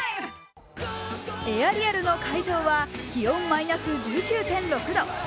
エアリアルの会場は気温マイナス１９．６度。